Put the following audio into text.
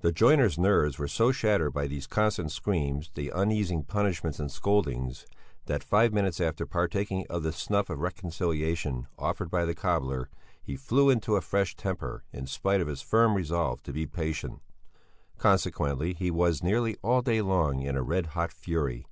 The joiner's nerves were so shattered by these constant screams, the unceasing punishments and scoldings, that five minutes after partaking of the snuff of reconciliation offered by the cobbler, he flew into a fresh temper in spite of his firm resolve to be patient. Consequently he was nearly all day long in a red hot fury.